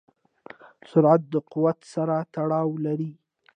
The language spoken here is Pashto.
سرعت د قوت سره تړاو لري.